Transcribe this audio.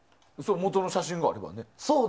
元の写真があればね。